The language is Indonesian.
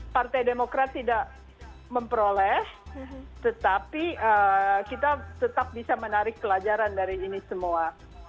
partai demokrat tidak memperoleh tetapi kita tetap bisa menarik pelajaran dari ini semua